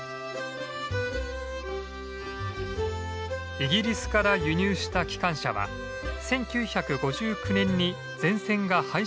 イギリスから輸入した機関車は１９５９年に全線が廃止されるまで活躍。